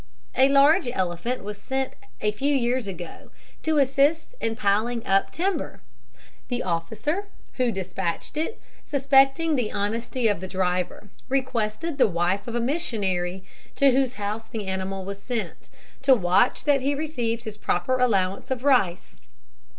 A large elephant was sent a few years ago to assist in piling up timber at Nagercoil. The officer who despatched it, suspecting the honesty of the driver, requested the wife of a missionary, to whose house the animal was sent, to watch that he received his proper allowance of rice.